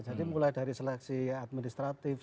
jadi mulai dari seleksi administratif